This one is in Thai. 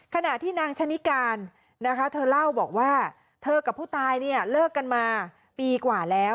ขณะที่นางชะนิการนะคะเธอเล่าบอกว่าเธอกับผู้ตายเนี่ยเลิกกันมาปีกว่าแล้ว